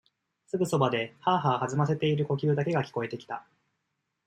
すぐそばで、はあはあ弾ませている呼吸だけが聞こえてきた。